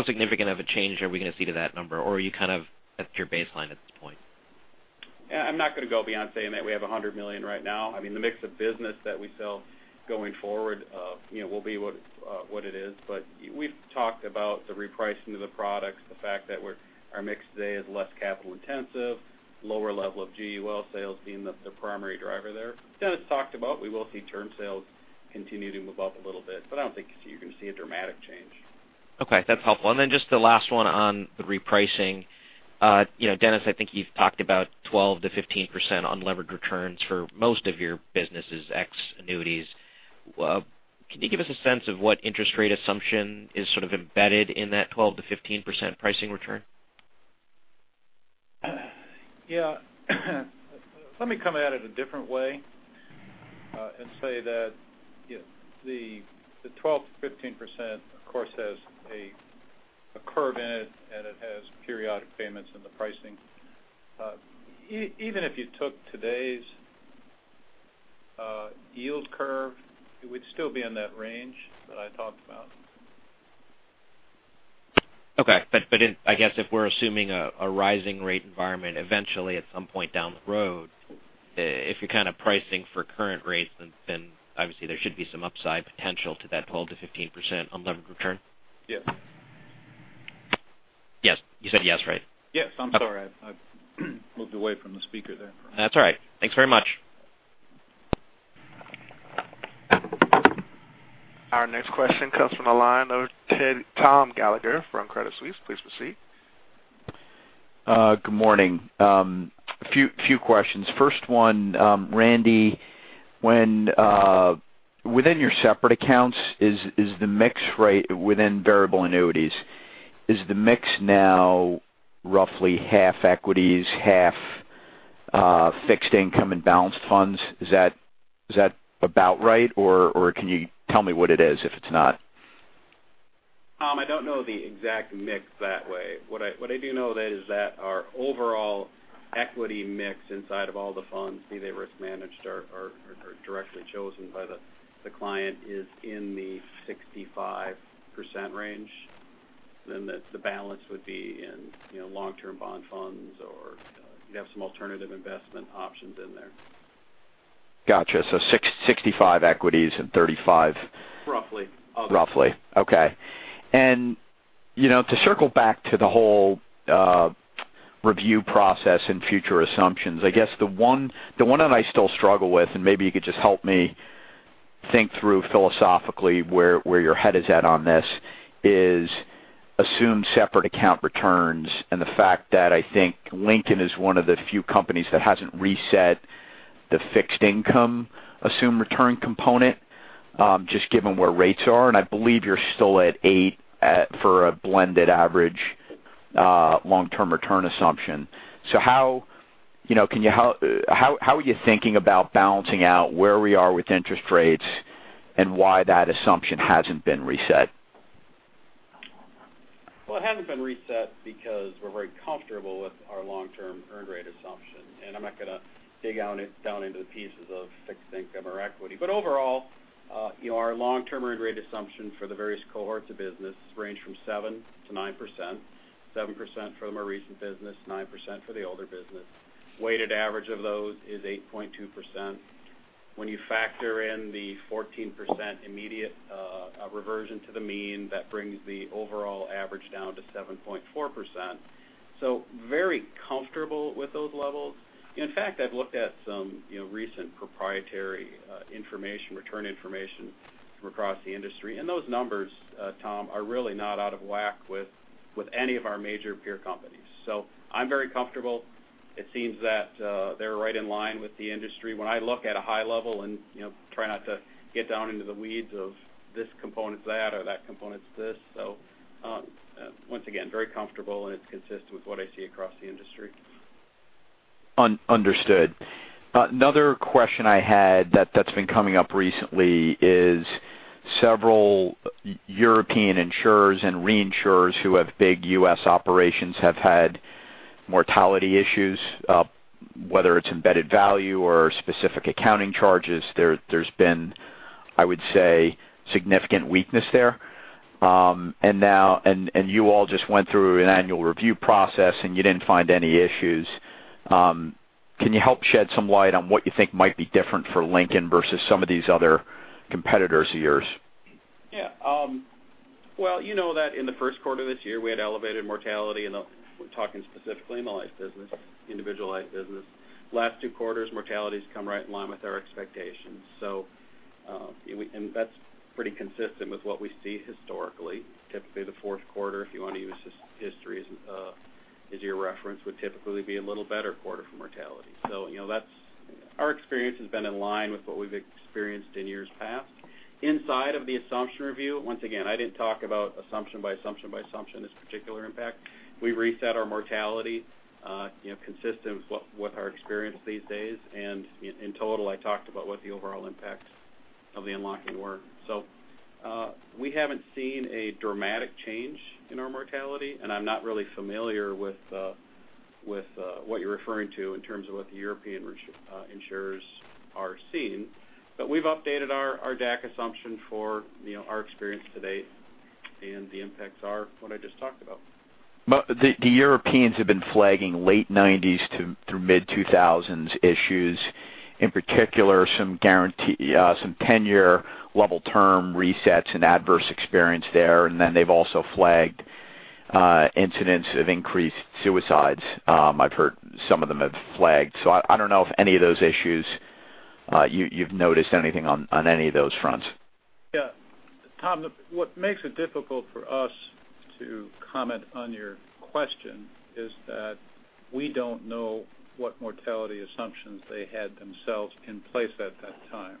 significant of a change are we going to see to that number, or are you kind of at your baseline at this point? I'm not going to go beyond saying that we have $100 million right now. I mean, the mix of business that we sell going forward will be what it is. We've talked about the repricing of the products, the fact that our mix today is less capital intensive, lower level of GUL sales being the primary driver there. Dennis talked about we will see term sales continue to move up a little bit, I don't think you're going to see a dramatic change. Okay. That's helpful. Just the last one on the repricing. Dennis, I think you've talked about 12%-15% unlevered returns for most of your businesses, ex annuities. Can you give us a sense of what interest rate assumption is sort of embedded in that 12%-15% pricing return? Yeah. Let me come at it a different way. Say that the 12%-15%, of course, has a curve in it, and it has periodic payments in the pricing. Even if you took today's yield curve, it would still be in that range that I talked about. Okay. I guess if we're assuming a rising rate environment eventually at some point down the road, if you're pricing for current rates, then obviously there should be some upside potential to that 12%-15% unlevered return. Yes. Yes. You said yes, right? Yes. I'm sorry. I've moved away from the speaker there. That's all right. Thanks very much. Our next question comes from the line of Thomas Gallagher from Credit Suisse. Please proceed. Good morning. A few questions. First one, Randy, within your separate accounts within variable annuities, is the mix now roughly half equities, half fixed income and balanced funds? Is that about right, or can you tell me what it is if it's not? Tom, I don't know the exact mix that way. What I do know is that our overall equity mix inside of all the funds, be they risk managed or directly chosen by the client, is in the 65% range. The balance would be in long-term bond funds or you'd have some alternative investment options in there. Got you. 65 equities and 35- Roughly. Roughly. Okay. To circle back to the whole review process and future assumptions, I guess the one that I still struggle with, and maybe you could just help me think through philosophically where your head is at on this, is assumed separate account returns and the fact that I think Lincoln is one of the few companies that hasn't reset the fixed income assumed return component just given where rates are, and I believe you're still at 8 for a blended average long-term return assumption. How are you thinking about balancing out where we are with interest rates and why that assumption hasn't been reset? Well, it hasn't been reset because we're very comfortable with our long-term earned rate assumption. I'm not going to dig down into the pieces of fixed income or equity. Overall, our long-term earned rate assumption for the various cohorts of business range from 7% to 9%, 7% for the more recent business, 9% for the older business. Weighted average of those is 8.2%. When you factor in the 14% immediate reversion to the mean, that brings the overall average down to 7.4%. Very comfortable with those levels. In fact, I've looked at some recent proprietary return information from across the industry, and those numbers, Tom, are really not out of whack with any of our major peer companies. I'm very comfortable. It seems that they're right in line with the industry. When I look at a high level and try not to get down into the weeds of this component's that or that component's this. Once again, very comfortable and it's consistent with what I see across the industry. Understood. Another question I had that's been coming up recently is several European insurers and reinsurers who have big U.S. operations have had mortality issues, whether it's embedded value or specific accounting charges. There's been, I would say, significant weakness there. You all just went through an annual review process, and you didn't find any issues. Can you help shed some light on what you think might be different for Lincoln versus some of these other competitors of yours? Well, you know that in the first quarter of this year, we had elevated mortality, and we're talking specifically in the life business, individual life business. Last 2 quarters, mortality's come right in line with our expectations. That's pretty consistent with what we see historically. Typically, the fourth quarter, if you want to use history as your reference, would typically be a little better quarter for mortality. Our experience has been in line with what we've experienced in years past. Inside of the assumption review, once again, I didn't talk about assumption by assumption by assumption, this particular impact. We reset our mortality consistent with what our experience these days, and in total, I talked about what the overall impact of the unlocking were. We haven't seen a dramatic change in our mortality, and I'm not really familiar with what you're referring to in terms of what the European reinsurers are seeing. We've updated our DAC assumption for our experience to date, and the impacts are what I just talked about. The Europeans have been flagging late 1990s through mid-2000s issues, in particular, some 10-year level term resets and adverse experience there. They've also flagged incidents of increased suicides. I've heard some of them have flagged. I don't know if any of those issues you've noticed anything on any of those fronts. Yeah. Tom, what makes it difficult for us to comment on your question is that we don't know what mortality assumptions they had themselves in place at that time.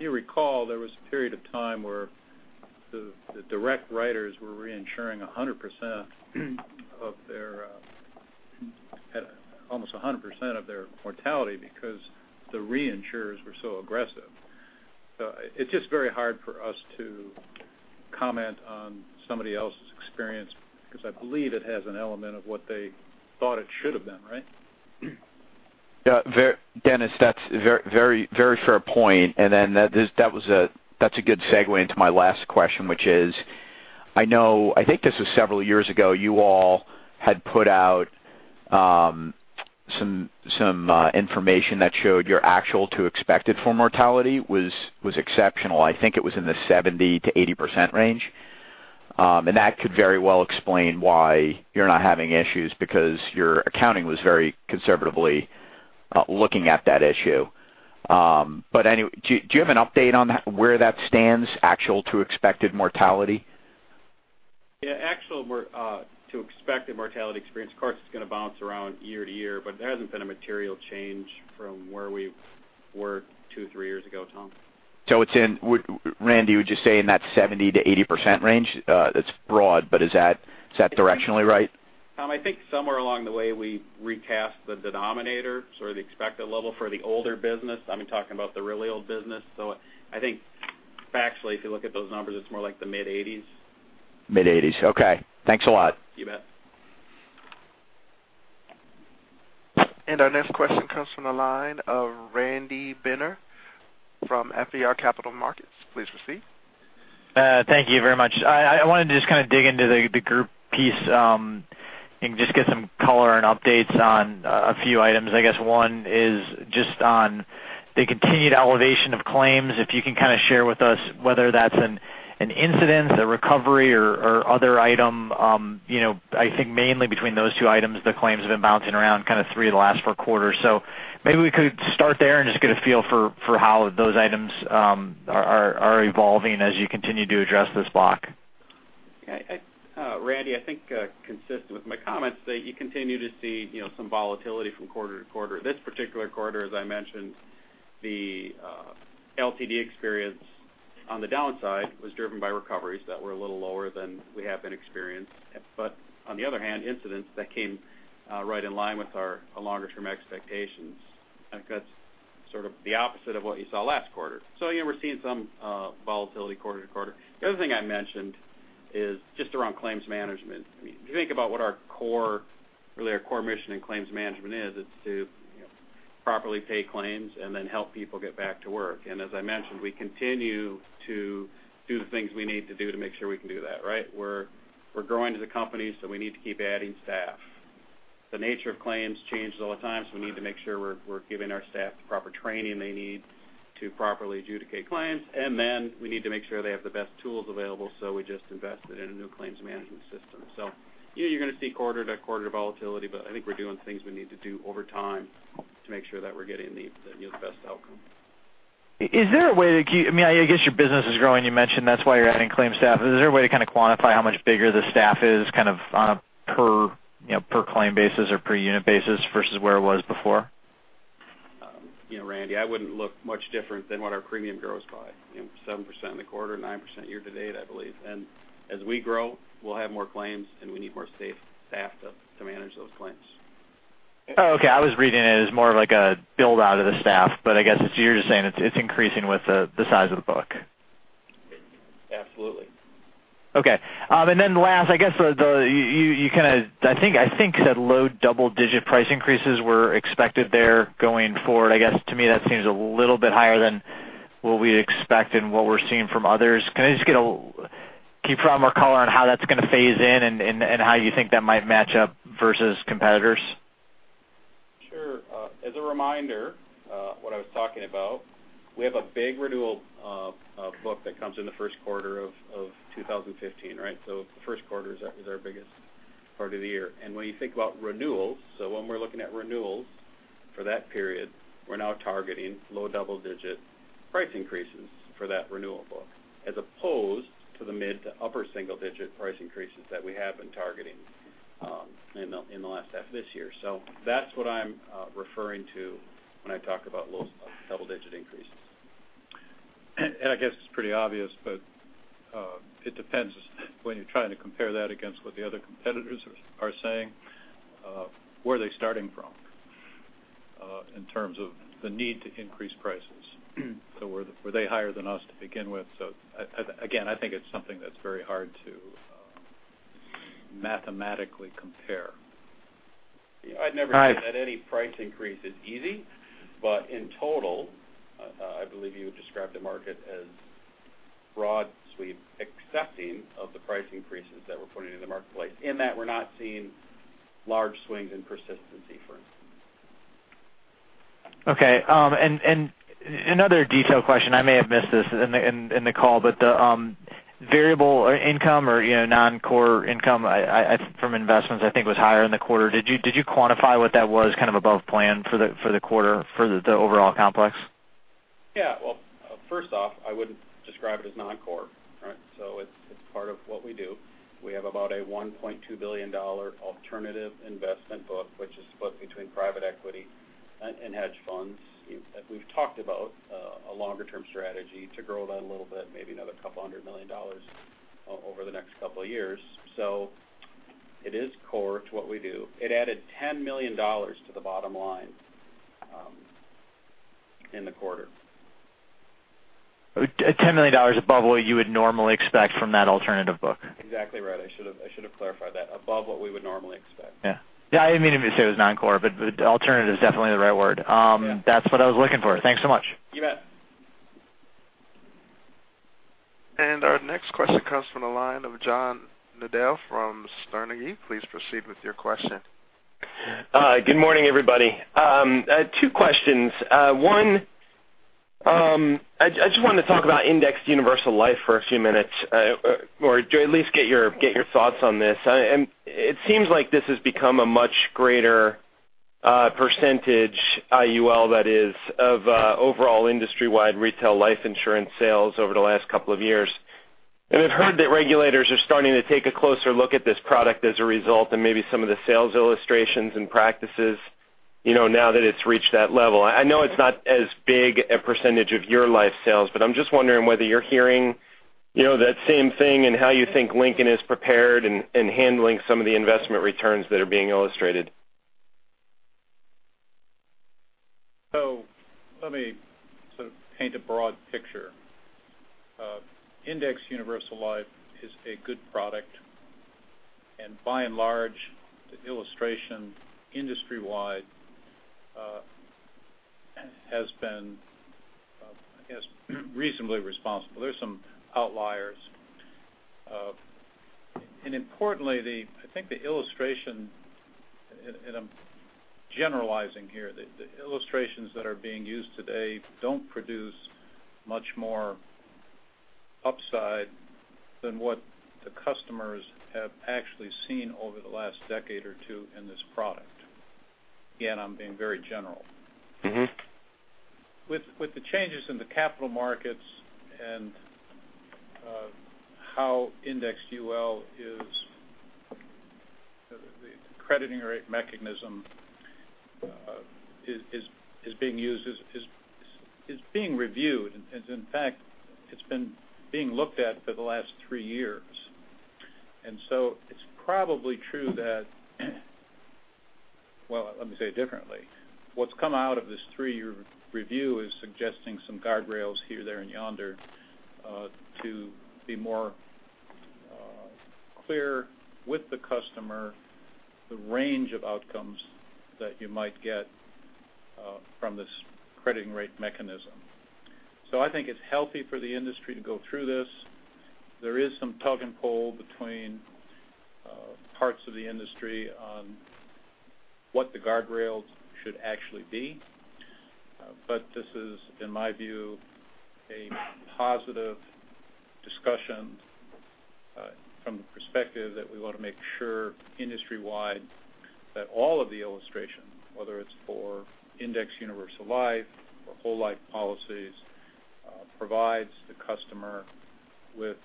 If you recall, there was a period of time where The direct writers were reinsuring almost 100% of their mortality because the reinsurers were so aggressive. It's just very hard for us to comment on somebody else's experience, because I believe it has an element of what they thought it should have been, right? Yeah, Dennis, that's a very fair point. That's a good segue into my last question, which is, I think this was several years ago. You all had put out some information that showed your actual to expected for mortality was exceptional. I think it was in the 70%-80% range. That could very well explain why you're not having issues, because your accounting was very conservatively looking at that issue. Anyway, do you have an update on where that stands, actual to expected mortality? Yeah, actual to expected mortality experience, of course, it's going to bounce around year to year, but there hasn't been a material change from where we were two, three years ago, Tom. Randy, would you say in that 70%-80% range? It's broad, but is that directionally right? Tom, I think somewhere along the way, we recast the denominator, sort of the expected level for the older business. I'm talking about the really old business. I think factually, if you look at those numbers, it's more like the mid-80s. Mid-80s. Okay. Thanks a lot. You bet. Our next question comes from the line of Randy Binner from FBR Capital Markets. Please proceed. Thank you very much. I wanted to just kind of dig into the group piece, and just get some color and updates on a few items. I guess one is just on the continued elevation of claims, if you can kind of share with us whether that's an incidence, a recovery, or other item, I think mainly between those two items, the claims have been bouncing around kind of three of the last four quarters. Maybe we could start there and just get a feel for how those items are evolving as you continue to address this block. Randy, I think consistent with my comments that you continue to see some volatility from quarter to quarter. This particular quarter, as I mentioned, the LTD experience on the downside was driven by recoveries that were a little lower than we have been experienced. On the other hand, incidents that came right in line with our longer term expectations. I think that's sort of the opposite of what you saw last quarter. We're seeing some volatility quarter to quarter. The other thing I mentioned is just around claims management. If you think about what our core mission in claims management is, it's to properly pay claims and then help people get back to work. As I mentioned, we continue to do the things we need to do to make sure we can do that, right? We're growing as a company, so we need to keep adding staff. The nature of claims changes all the time, so we need to make sure we're giving our staff the proper training they need to properly adjudicate claims. Then we need to make sure they have the best tools available, so we just invested in a new claims management system. You're going to see quarter to quarter volatility, but I think we're doing things we need to do over time to make sure that we're getting the best outcome. I guess your business is growing, you mentioned that's why you're adding claim staff. Is there a way to kind of quantify how much bigger the staff is kind of on a per claim basis or per unit basis versus where it was before? Randy, I wouldn't look much different than what our premium grows by, 7% in the quarter, 9% year to date, I believe. As we grow, we'll have more claims, and we need more staff to manage those claims. Oh, okay. I was reading it as more of like a build-out of the staff, but I guess you're just saying it's increasing with the size of the book. Absolutely. Okay. Last, I think you said low double-digit price increases were expected there going forward. I guess to me, that seems a little bit higher than what we expect and what we're seeing from others. Can you provide more color on how that's going to phase in and how you think that might match up versus competitors? Sure. As a reminder, what I was talking about, we have a big renewal book that comes in the first quarter of 2015, right? The first quarter is our biggest part of the year. When you think about renewals, so when we're looking at renewals for that period, we're now targeting low double-digit price increases for that renewal book, as opposed to the mid to upper single-digit price increases that we have been targeting in the last half of this year. That's what I'm referring to when I talk about low double-digit increases. I guess it's pretty obvious, it depends when you're trying to compare that against what the other competitors are saying, where are they starting from in terms of the need to increase prices? Were they higher than us to begin with? Again, I think it's something that's very hard to mathematically compare. I'd never say that any price increase is easy, in total, I believe you would describe the market as broad sweep accepting of the price increases that we're putting in the marketplace, in that we're not seeing large swings in persistency, for instance. Okay. Another detailed question, I may have missed this in the call, the variable income or non-core income from investments, I think was higher in the quarter. Did you quantify what that was kind of above plan for the quarter for the overall complex? Yeah. First off, I wouldn't describe it as non-core, right? It's part of what we do. We have about a $1.2 billion alternative investment book, which is split between private equity hedge funds, we've talked about a longer term strategy to grow that a little bit, maybe another couple hundred million dollars over the next couple of years. It is core to what we do. It added $10 million to the bottom line in the quarter. $10 million above what you would normally expect from that alternative book. Exactly right. I should've clarified that. Above what we would normally expect. Yeah. I didn't mean to say it was non-core, but alternative's definitely the right word. Yeah. That's what I was looking for. Thanks so much. You bet. Our next question comes from the line of John Nadel from Sterne Agee. Please proceed with your question. Good morning, everybody. Two questions. One, I just wanted to talk about Indexed Universal Life for a few minutes, or to at least get your thoughts on this. It seems like this has become a much greater percentage, IUL that is, of overall industry-wide retail life insurance sales over the last couple of years. I've heard that regulators are starting to take a closer look at this product as a result, and maybe some of the sales illustrations and practices, now that it's reached that level. I know it's not as big a percentage of your life sales, but I'm just wondering whether you're hearing that same thing and how you think Lincoln is prepared in handling some of the investment returns that are being illustrated. Let me sort of paint a broad picture. Indexed Universal Life is a good product, and by and large, the illustration industry-wide has been, I guess, reasonably responsible. There's some outliers. Importantly, I think the illustration, and I'm generalizing here, the illustrations that are being used today don't produce much more upside than what the customers have actually seen over the last decade or two in this product. Again, I'm being very general. With the changes in the capital markets and how Indexed UL is, the crediting rate mechanism is being reviewed. In fact, it's been being looked at for the last three years. It's probably true. Let me say it differently. What's come out of this three-year review is suggesting some guardrails here, there, and yonder to be more clear with the customer, the range of outcomes that you might get from this crediting rate mechanism. I think it's healthy for the industry to go through this. There is some tug and pull between parts of the industry on what the guardrails should actually be. This is, in my view, a positive discussion from the perspective that we want to make sure industry-wide that all of the illustration, whether it's for Indexed Universal Life or whole life policies, provides the customer with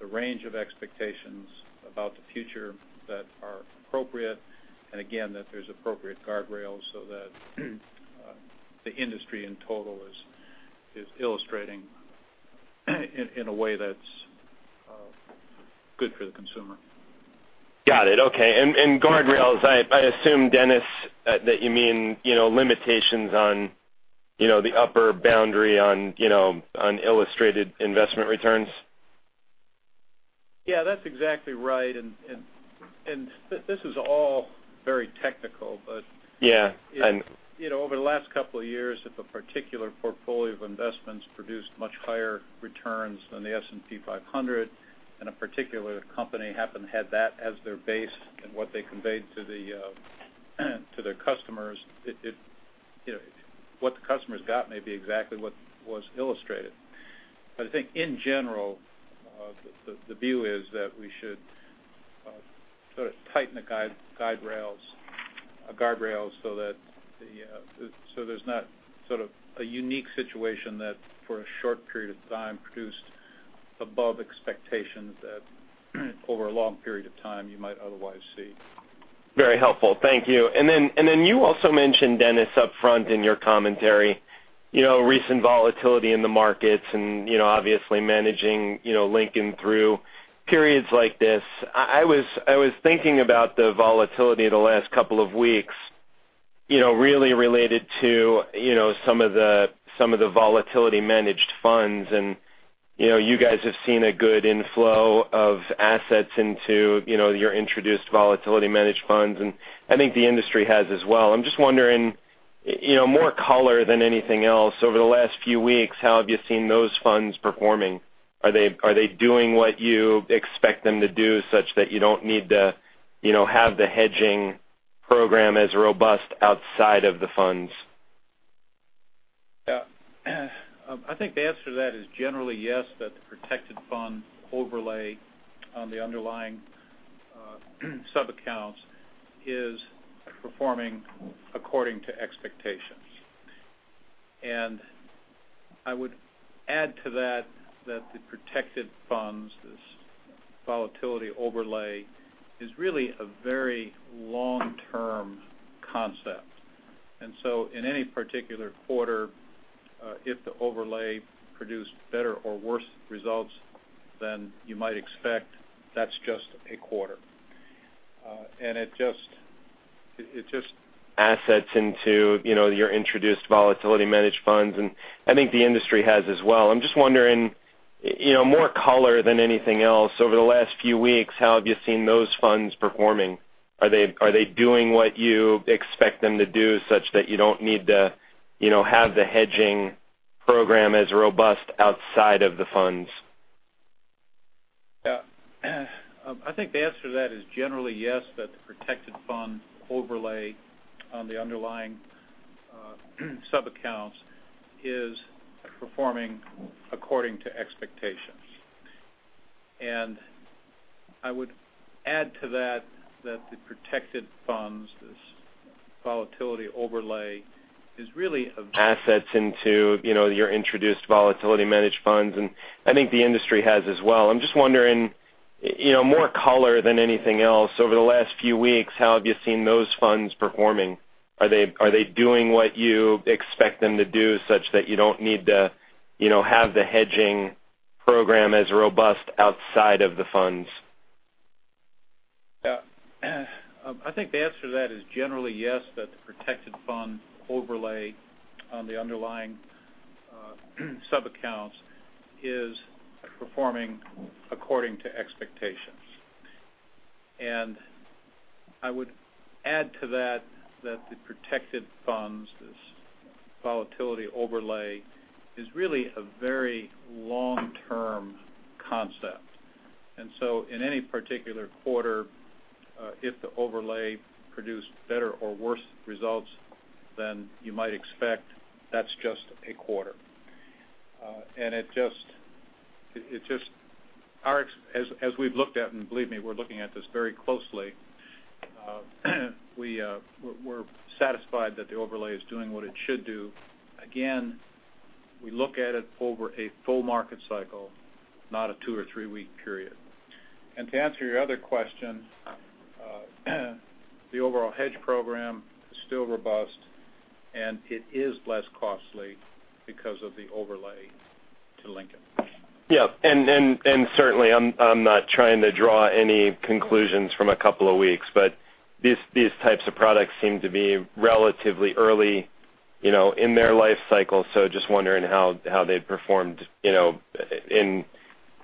the range of expectations about the future that are appropriate, and again, that there's appropriate guardrails so that the industry in total is illustrating in a way that's good for the consumer. Got it. Okay. Guardrails, I assume, Dennis, that you mean limitations on the upper boundary on illustrated investment returns. Yeah, that's exactly right. This is all very technical. Yeah Over the last couple of years, if a particular portfolio of investments produced much higher returns than the S&P 500, and a particular company happened to have that as their base and what they conveyed to their customers, what the customers got may be exactly what was illustrated. I think in general, the view is that we should sort of tighten the guardrails so there's not sort of a unique situation that, for a short period of time, produced above expectations that over a long period of time, you might otherwise see. Very helpful. Thank you. Then you also mentioned, Dennis, upfront in your commentary, recent volatility in the markets and obviously managing Lincoln through periods like this. I was thinking about the volatility the last couple of weeks really related to some of the volatility-managed funds. You guys have seen a good inflow of assets into your introduced volatility-managed funds, and I think the industry has as well. I'm just wondering, more color than anything else, over the last few weeks, how have you seen those funds performing? Are they doing what you expect them to do such that you don't need to have the hedging program as robust outside of the funds? Yeah. I think the answer to that is generally yes, that the protected fund overlay on the underlying sub-accounts is performing according to expectation. I would add to that the protected funds, this volatility overlay, is really a very long-term concept. So in any particular quarter, if the overlay produced better or worse results than you might expect, that's just a quarter. Assets into your introduced volatility managed funds, and I think the industry has as well. I'm just wondering, more color than anything else. Over the last few weeks, how have you seen those funds performing? Are they doing what you expect them to do such that you don't need to have the hedging program as robust outside of the funds? Yeah. I think the answer to that is generally yes, that the protected fund overlay on the underlying sub-accounts is performing according to expectations. I would add to that the protected funds, this volatility overlay, is really a very- Assets into your introduced volatility managed funds, and I think the industry has as well. I'm just wondering, more color than anything else. Over the last few weeks, how have you seen those funds performing? Are they doing what you expect them to do such that you don't need to have the hedging program as robust outside of the funds? Yeah. I think the answer to that is generally yes, that the protected fund overlay on the underlying sub-accounts is performing according to expectations. I would add to that the protected funds, this volatility overlay, is really a very long-term concept. So in any particular quarter, if the overlay produced better or worse results than you might expect, that's just a quarter. As we've looked at, and believe me, we're looking at this very closely, we're satisfied that the overlay is doing what it should do. Again, we look at it over a full market cycle, not a two or three-week period. To answer your other question, the overall hedge program is still robust, and it is less costly because of the overlay to Lincoln. Certainly, I'm not trying to draw any conclusions from a couple of weeks, but these types of products seem to be relatively early in their life cycle. Just wondering how they've performed in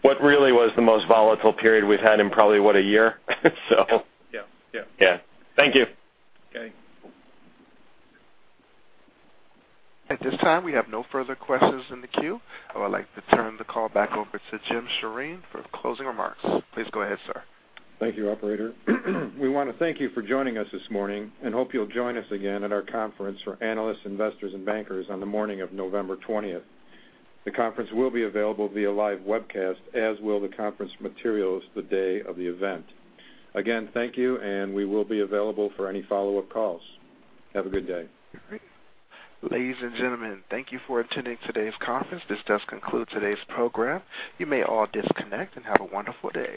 what really was the most volatile period we've had in probably, what, a year? Yeah. Thank you. Okay. At this time, we have no further questions in the queue. I would like to turn the call back over to Jim Scharine for closing remarks. Please go ahead, sir. Thank you, operator. We want to thank you for joining us this morning and hope you'll join us again at our conference for analysts, investors, and bankers on the morning of November 20th. The conference will be available via live webcast, as will the conference materials the day of the event. Again, thank you. We will be available for any follow-up calls. Have a good day. Ladies and gentlemen, thank you for attending today's conference. This does conclude today's program. You may all disconnect and have a wonderful day.